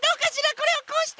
これをこうして。